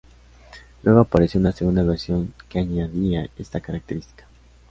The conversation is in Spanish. Luego apareció una segunda versión que añadía esta característica.